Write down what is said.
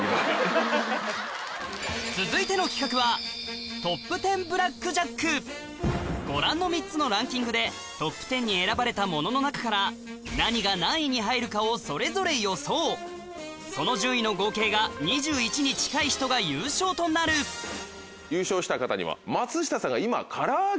続いての企画はご覧の３つのランキングでトップ１０に選ばれたものの中からそれぞれその順位の合計が２１に近い人が優勝となる優勝した方には今。